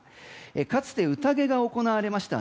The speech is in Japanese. かつて宴が行われました